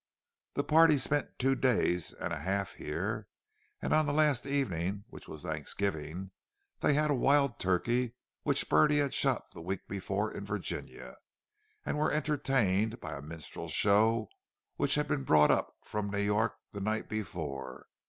The party spent two days and a half here, and on the last evening, which was Thanksgiving, they had a wild turkey which Bertie had shot the week before in Virginia, and were entertained by a minstrel show which had been brought up from New York the night before.